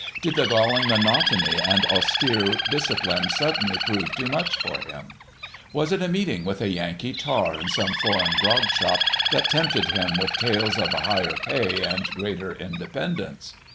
Did the galling monotony and austere discipline suddenly prove too much for him? Was it a meeting with a Yankee tar in some foreign grog shop that tempted him with tales of a higher pay and greater independence?